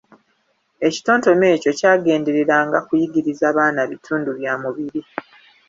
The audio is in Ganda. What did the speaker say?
Ekitontome ekyo kyagendereranga kuyigiriza baana bitundu bya mubiri.